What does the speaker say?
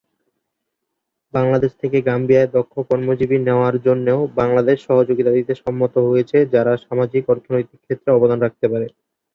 বাংলাদেশ থেকে গাম্বিয়ায় দক্ষ কর্মজীবী নেওয়ার জন্যেও বাংলাদেশ সহযোগিতা দিতে সম্মত হয়েছে, যারা সামাজিক-অর্থনৈতিক ক্ষেত্রে অবদান রাখতে পারে।